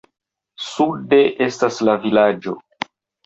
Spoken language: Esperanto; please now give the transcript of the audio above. Sude estas la vilaĝo.